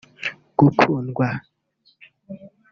gukundwa